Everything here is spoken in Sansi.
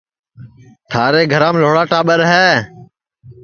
تھارے گھرام لھوڑا ٹاٻر ہے